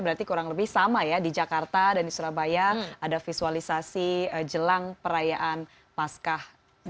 berarti kurang lebih sama ya di jakarta dan di surabaya ada visualisasi jelang perayaan pascah